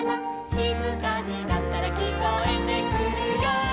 「しずかになったらきこえてくるよ」